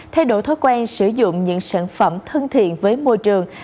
thay đổi thói quen sử dụng những sản phẩm thân thiện với môi trường